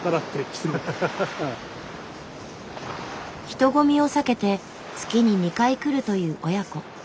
人混みを避けて月に２回来るという親子。